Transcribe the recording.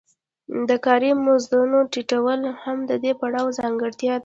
د کاري مزدونو ټیټوالی هم د دې پړاو ځانګړتیا ده